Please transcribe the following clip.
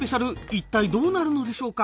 いったいどうなるのでしょうか？